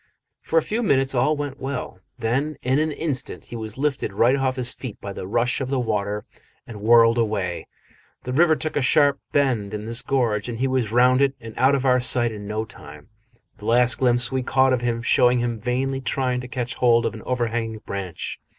For a few minutes all went well. Then, in an instant, he was lifted right off his feet by the rush of the water and whirled away. The river took a sharp bend in this gorge, and he was round it and out of our sight in no time, the last glimpse we caught of him showing him vainly trying to catch hold of an overhanging branch.